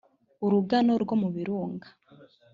urugano rwo mu birunga